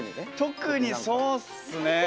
特にそうっすね